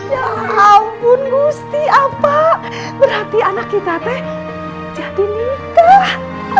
ya ampun gusti apa berarti anak kita teh jadi nikah